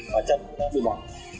và chân cũng đã bị bỏng